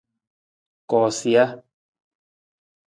Koosija.